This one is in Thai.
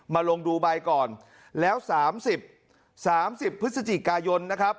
มาลงดูไบก่อนแล้ว๓๐พฤศจิกายน